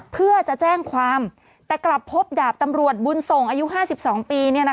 เพื่อจะแจ้งความแต่กลับพบดาบตำรวจบุญส่งอายุ๕๒ปี